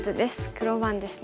黒番ですね。